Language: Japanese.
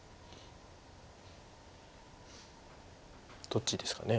どっちですかね